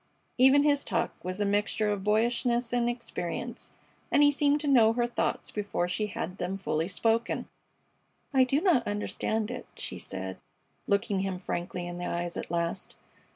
Even his talk was a mixture of boyishness and experience and he seemed to know her thoughts before she had them fully spoken. "I do not understand it," she said, looking him frankly in the eyes at last.